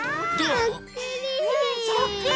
そっくり！